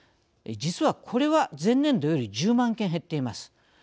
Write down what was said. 実はこれは前年度より１０万件減っています。